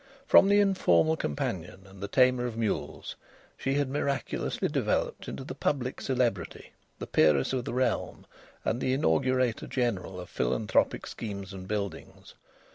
From the informal companion and the tamer of mules she had miraculously developed into the public celebrity, the peeress of the realm, and the inaugurator general of philanthropic schemes and buildings.